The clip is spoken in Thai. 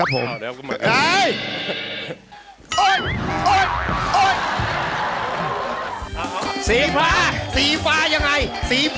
ออกออกออกออกออกออก